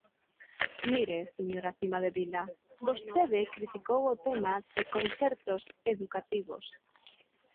Mire, señora Cimadevila, vostede criticou o tema de concertos educativos.